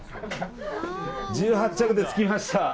１８着で着きました。